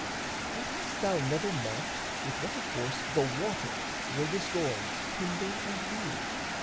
And hast thou never marked With what a force the water will disgorge Timber and beam?